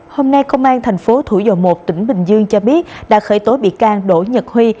hôm nay công an thành phố thủ dầu một tỉnh bình dương cho biết đã khởi tối bị can đổ nhật huy